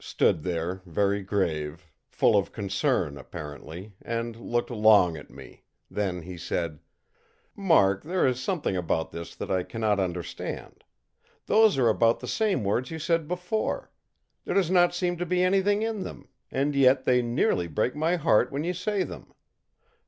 stood there, very grave, full of concern, apparently, and looked long at me; then he said: ìMark, there is something about this that I cannot understand. Those are about the same words you said before; there does not seem to be anything in them, and yet they nearly break my heart when you say them.